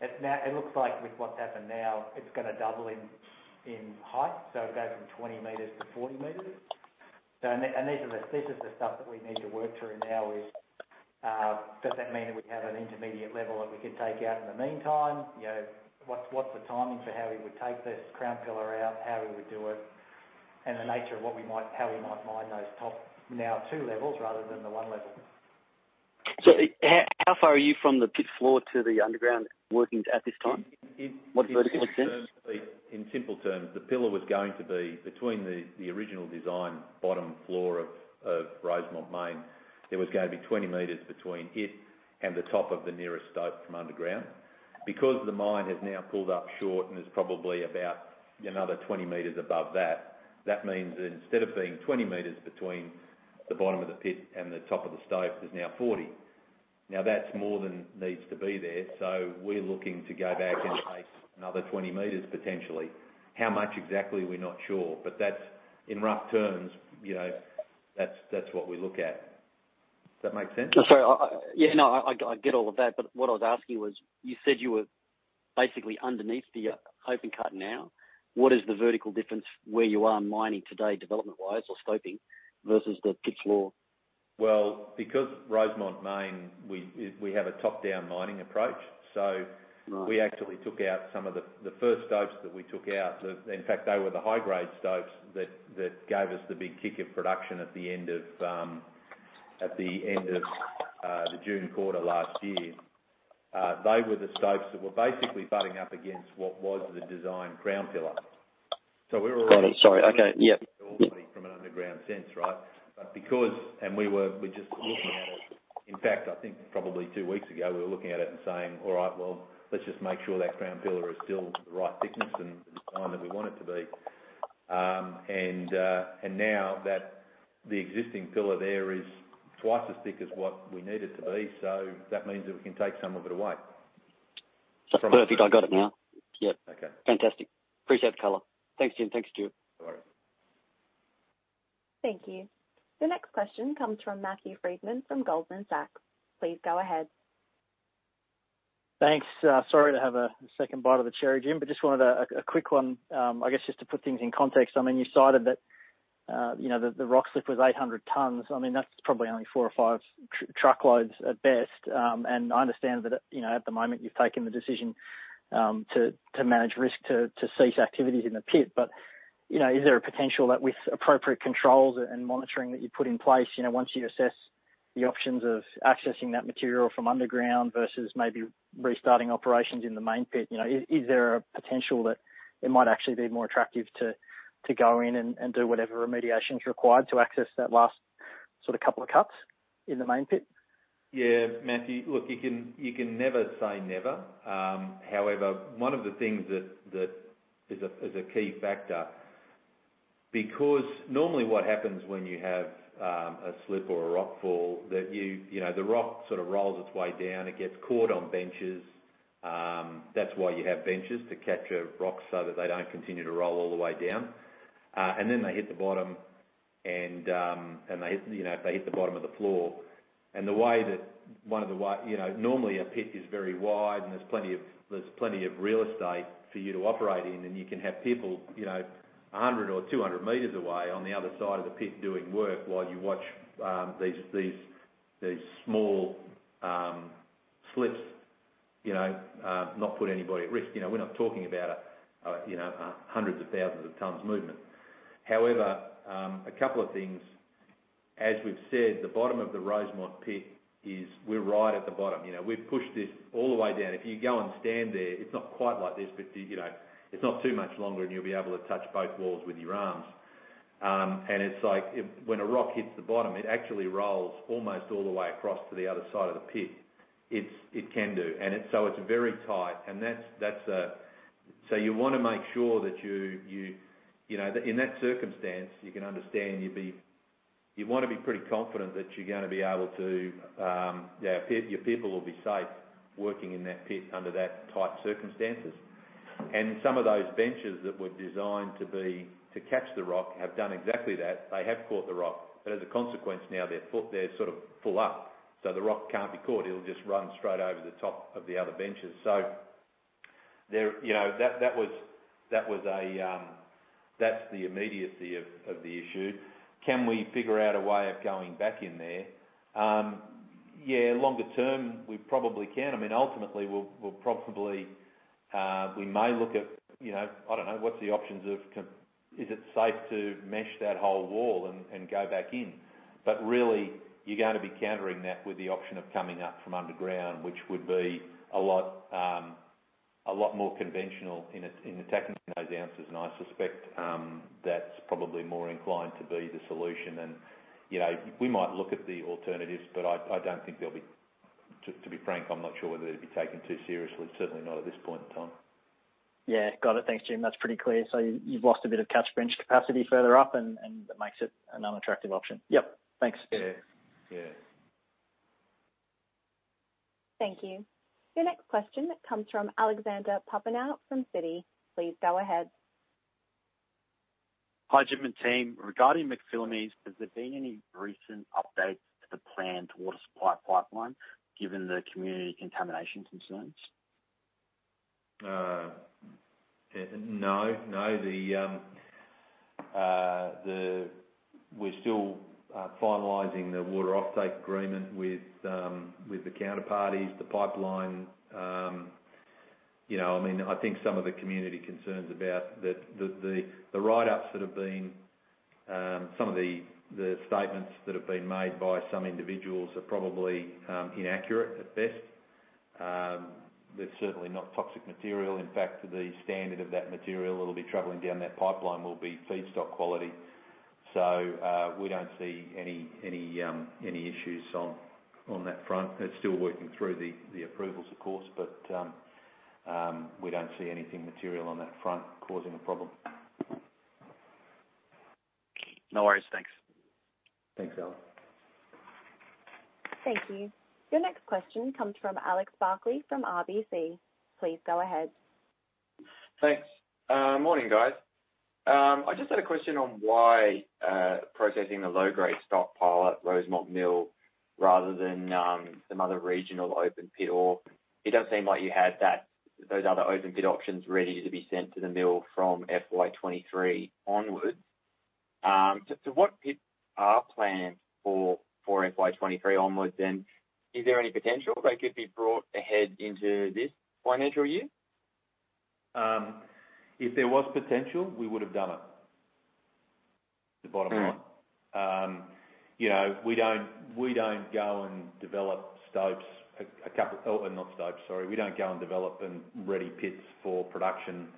It's now. It looks like with what's happened now, it's gonna double in height, so it goes from 20 m to 40 m. These are the, this is the stuff that we need to work through now is, does that mean that we have an intermediate level that we could take out in the meantime? You know, what's the timing for how we would take this crown pillar out? How we would do it? And the nature of what we might, how we might mine those top now two levels rather than the one level. How far are you from the pit floor to the underground workings at this time? What's the vertical distance? In simple terms, Pete, the pillar was going to be between the original design bottom floor of Rosemont Main. There was gonna be 20 m between it and the top of the nearest stope from underground. The mine has now pulled up short and is probably about another 20 m above that. That means that instead of being 20 m between the bottom of the pit and the top of the stope, there's now 40. Now, that's more than needs to be there. We're looking to go back and take another 20 m, potentially. How much exactly, we're not sure. But that's in rough terms, you know, that's what we look at. Does that make sense? Sorry. Yeah, no, I get all of that. What I was asking was, you said you were basically underneath the open cut now. What is the vertical difference where you are mining today, development-wise or stoping versus the pit floor? Well, because Rosemont mine, we have a top-down mining approach. Right. We actually took out some of the first stopes that we took out. In fact, they were the high-grade stopes that gave us the big kick of production at the end of the June quarter last year. They were the stopes that were basically butting up against what was the design crown pillar. We were Got it. Sorry. Okay. Yeah. From an underground sense, right? Because we're just looking at it. In fact, I think probably two weeks ago, we were looking at it and saying, "All right. Well, let's just make sure that crown pillar is still the right thickness and the time that we want it to be. Now that the existing pillar there is twice as thick as what we need it to be. That means that we can take some of it away. Perfect. I got it now. Yeah. Okay. Fantastic. Appreciate the color. Thanks, Jim. Thanks, Stuart. No worries. Thank you. The next question comes from Matthew Frydman from Goldman Sachs. Please go ahead. Thanks. Sorry to have a second bite of the cherry, Jim, but just wanted a quick one. I guess, just to put things in context, I mean, you cited that, you know, the rock slip was 800 tons. I mean, that's probably only four or five truckloads at best. I understand that, you know, at the moment, you've taken the decision to manage risk to cease activities in the pit. You know, is there a potential that with appropriate controls and monitoring that you put in place, you know, once you assess the options of accessing that material from underground versus maybe restarting operations in the main pit? You know, is there a potential that it might actually be more attractive to go in and do whatever remediation's required to access that last sort of couple of cuts in the main pit? Yeah. Matthew, look, you can never say never. However, one of the things that is a key factor, because normally what happens when you have a slip or a rock fall, you know, the rock sort of rolls its way down, it gets caught on benches. That's why you have benches to capture rocks so that they don't continue to roll all the way down. Then they hit the bottom, you know, they hit the bottom of the floor. The way that, you know, normally a pit is very wide and there's plenty of real estate for you to operate in. You can have people, you know, 100 m or 200 m away on the other side of the pit doing work while you watch these small slips, you know, not put anybody at risk. You know, we're not talking about, you know, hundreds of thousands of tons movement. However, a couple of things, as we've said, the bottom of the Rosemont pit is. We're right at the bottom. You know, we've pushed this all the way down. If you go and stand there, it's not quite like this, but, you know, it's not too much longer and you'll be able to touch both walls with your arms. And it's like if when a rock hits the bottom, it actually rolls almost all the way across to the other side of the pit. It can do. It's very tight. You wanna make sure that you know, in that circumstance, you can understand, you'd wanna be pretty confident that you're gonna be able to, your people will be safe working in that pit under that tight circumstances. Some of those benches that were designed to catch the rock have done exactly that. They have caught the rock, but as a consequence now they're full up. The rock can't be caught. It'll just run straight over the top of the other benches. That's the immediacy of the issue. Can we figure out a way of going back in there? Longer term, we probably can. I mean, ultimately, we'll probably we may look at, you know, I don't know what's the options. Is it safe to mesh that whole wall and go back in. Really, you're gonna be countering that with the option of coming up from underground, which would be a lot more conventional in attacking those areas. I suspect that's probably more inclined to be the solution. You know, we might look at the alternatives, but I don't think they'll be, to be frank, I'm not sure whether they'd be taken too seriously, certainly not at this point in time. Yeah. Got it. Thanks, Jim. That's pretty clear. So you've lost a bit of catch bench capacity further up, and that makes it an unattractive option. Yep. Thanks. Yeah. Yeah. Thank you. Your next question comes from Alexander Papaioanou from Citi. Please go ahead. Hi, Jim and team. Regarding McPhillamys, has there been any recent updates to the plan towards supply pipeline, given the community contamination concerns? No. We're still finalizing the water offtake agreement with the counterparties. The pipeline, you know, I mean, I think some of the community concerns about the write-ups that have been some of the statements that have been made by some individuals are probably inaccurate at best. They're certainly not toxic material. In fact, the standard of that material that'll be traveling down that pipeline will be feedstock quality. We don't see any issues on that front. It's still working through the approvals of course, but we don't see anything material on that front causing a problem. No worries. Thanks. Thanks, Alex. Thank you. Your next question comes from Alex Barkley from RBC. Please go ahead. Thanks. Morning, guys. I just had a question on why processing the low-grade stockpile at Rosemont Mill rather than some other regional open pit ore. It doesn't seem like you had those other open pit options ready to be sent to the mill from FY 2023 onwards. What pits are planned for FY 2023 onwards, and is there any potential they could be brought ahead into this financial year? If there was potential, we would have done it. The bottom line. You know, we don't go and develop and ready pits for production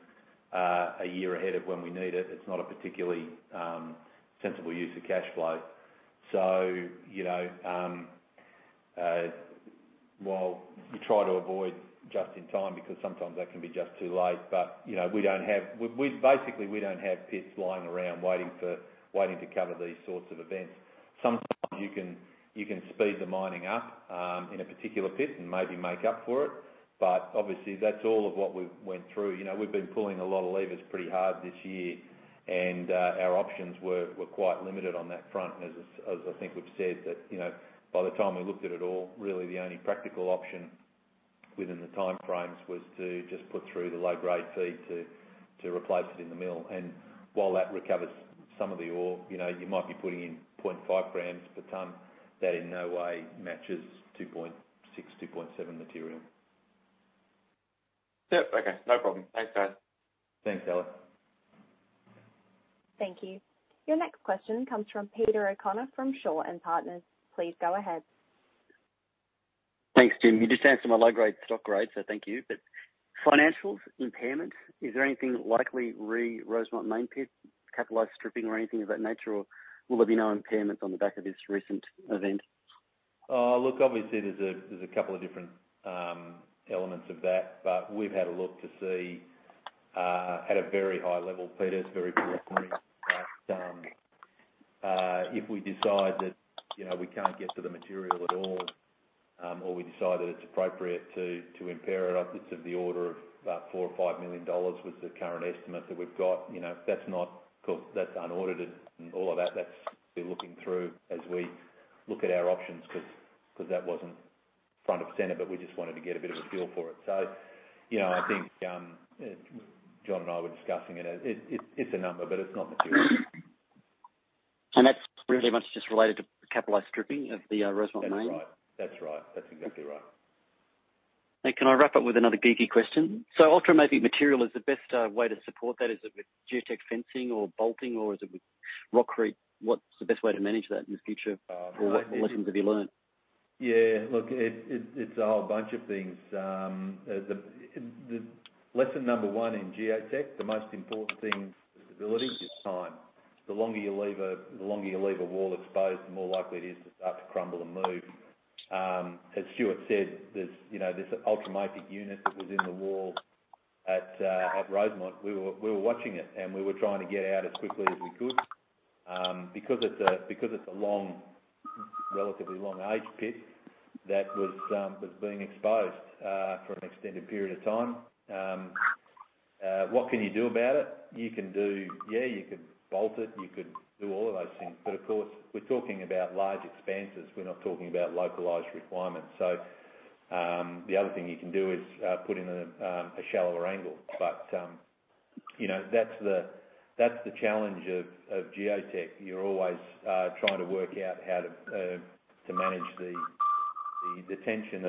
a year ahead of when we need it. It's not a particularly sensible use of cash flow. You know, while we try to avoid just in time, because sometimes that can be just too late, but you know, we basically don't have pits lying around waiting to cover these sorts of events. Sometimes you can speed the mining up in a particular pit and maybe make up for it. Obviously that's all of what we went through. You know, we've been pulling a lot of levers pretty hard this year, and our options were quite limited on that front. As I think we've said that, you know, by the time we looked at it all, really the only practical option within the time frames was to just put through the low-grade feed to replace it in the mill. While that recovers some of the ore, you know, you might be putting in 0.5 g per tonne, that in no way matches 2.6-2.7 material. Yep. Okay. No problem. Thanks, guys. Thanks, Alex. Thank you. Your next question comes from Peter O'Connor from Shaw and Partners. Please go ahead. Thanks, Jim. You just answered my low-grade stock grade, so thank you. Financials, impairment, is there anything likely re Rosemont main pit, capitalized stripping or anything of that nature or will there be no impairment on the back of this recent event? Look, obviously there's a couple of different elements of that. But we've had a look to see, at a very high level, Peter. It's very forthcoming that, if we decide that, you know, we can't get to the material at all, or we decide that it's appropriate to impair it's of the order of about 4 million or 5 million dollars was the current estimate that we've got. You know, that's not. Of course, that's unaudited and all of that. That's still looking through as we look at our options because that wasn't front and center, but we just wanted to get a bit of a feel for it. You know, I think, Jon and I were discussing it. It's a number, but it's not material. That's pretty much just related to capitalized stripping of the Rosemont mine? That's right. That's exactly right. Can I wrap up with another geeky question? Ultramafic material is the best way to support that. Is it with geotech fencing or bolting, or is it with shotcrete? What's the best way to manage that in the future? What lessons have you learned? Yeah, look, it is a whole bunch of things. The lesson number one in geotech, the most important thing for stability is time. The longer you leave a wall exposed, the more likely it is to start to crumble and move. As Stuart said, you know, this ultramafic unit that was in the wall at Rosemont, we were watching it, and we were trying to get out as quickly as we could, because it's a long, relatively long aged pit that was being exposed for an extended period of time. What can you do about it? Yeah, you could bolt it. You could do all of those things. But of course, we're talking about large expanses. We're not talking about localized requirements. The other thing you can do is put in a shallower angle. You know, that's the challenge of geotech. You're always trying to work out how to manage the tension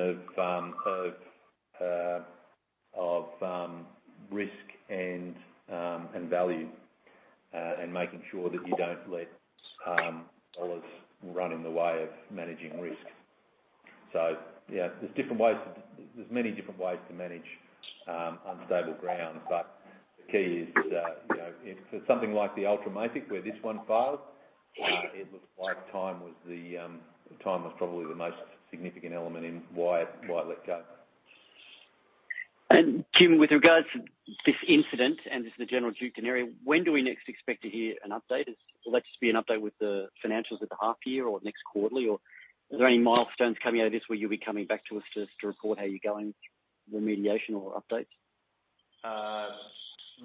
of risk and value, and making sure that you don't let dollars run in the way of managing risk. You know, there's many different ways to manage unstable ground. The key is that, you know, if something like the ultramafic where this one failed, it looks like time was probably the most significant element in why it let go. Jim, with regards to this incident and just the general Duketon area, when do we next expect to hear an update? Will that just be an update with the financials at the half year or next quarterly, or are there any milestones coming out of this where you'll be coming back to us just to report how you're going, remediation or updates?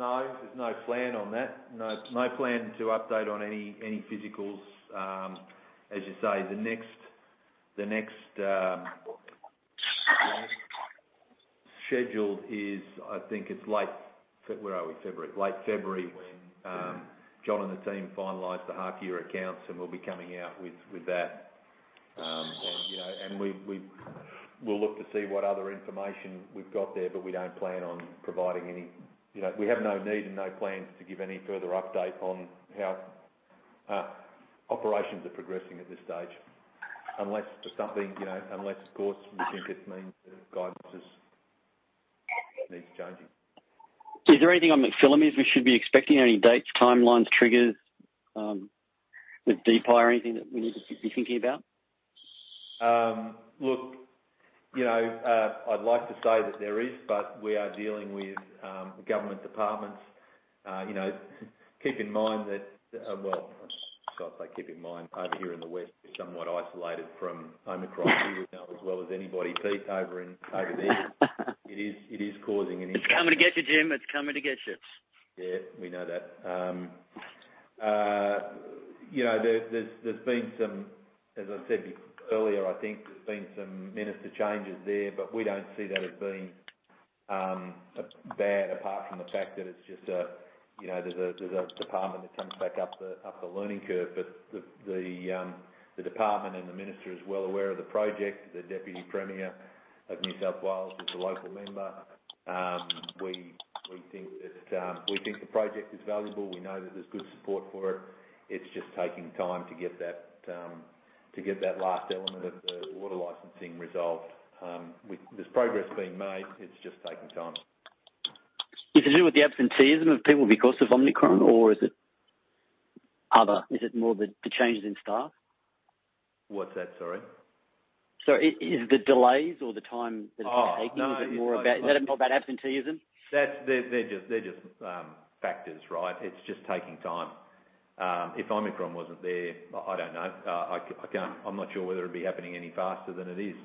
No, there's no plan on that. No plan to update on any physicals. As you say, the next scheduled is, I think it's late February when Jon and the team finalize the half year accounts, and we'll be coming out with that. And we'll look to see what other information we've got there, but we don't plan on providing any. You know, we have no need and no plans to give any further update on how operations are progressing at this stage. Unless just something, you know, unless of course we think it means that guidance is- Is there anything on McPhillamys we should be expecting? Any dates, timelines, triggers, with DPIE or anything that we need to be thinking about? Look, you know, I'd like to say that there is, but we are dealing with government departments. You know, keep in mind that, well, I say keep in mind, over here in the west, we're somewhat isolated from Omicron. You would know as well as anybody, Pete, over in, over there. It is causing an issue. It's coming to get you, Jim. It's coming to get you. Yeah, we know that. You know, there's been some, as I said earlier, I think there's been some minister changes there, but we don't see that as being bad apart from the fact that it's just a, you know, there's a department that comes back up the learning curve. The department and the minister is well aware of the project. The Deputy Premier of New South Wales is the local member. We think the project is valuable. We know that there's good support for it. It's just taking time to get that last element of the water licensing resolved. There's progress being made, it's just taking time. Is it to do with the absenteeism of people because of Omicron or is it other? Is it more the changes in staff? What's that? Sorry. Sorry, is the delays or the time that it's taking? Oh, no. Is that about absenteeism? They're just factors, right? It's just taking time. If Omicron wasn't there, I don't know. I'm not sure whether it'd be happening any faster than it is.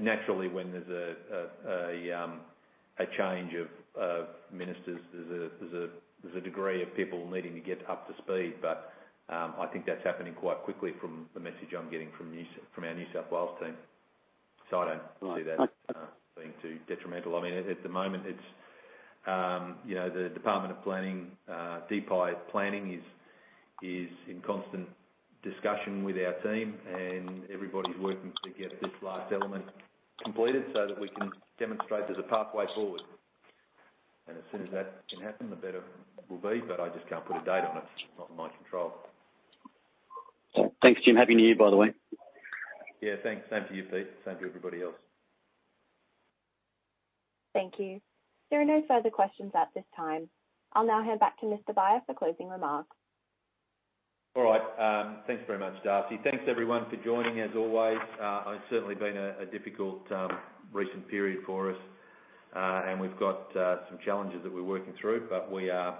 Naturally, when there's a change of ministers, there's a degree of people needing to get up to speed. I think that's happening quite quickly from the message I'm getting from our New South Wales team. I don't see that as being too detrimental. At the moment, it's the Department of Planning, DPIE planning is in constant discussion with our team and everybody's working to get this last element completed so that we can demonstrate there's a pathway forward. As soon as that can happen, the better we'll be, but I just can't put a date on it. It's not in my control. Thanks, Jim. Happy New Year, by the way. Yeah, thanks. Same to you, Pete. Same to everybody else. Thank you. There are no further questions at this time. I'll now hand back to Mr. Beyer for closing remarks. All right. Thanks very much, Darcy. Thanks, everyone, for joining as always. It's certainly been a difficult recent period for us, and we've got some challenges that we're working through, but we are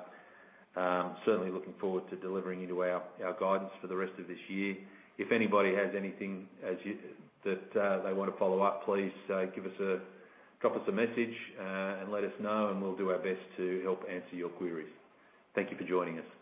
certainly looking forward to delivering to you our guidance for the rest of this year. If anybody has anything that they wanna follow up, please drop us a message, and let us know, and we'll do our best to help answer your queries. Thank you for joining us.